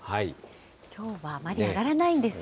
きょうはあまり上がらないんですよね。